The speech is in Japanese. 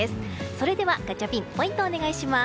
それではガチャピンポイント、お願いします。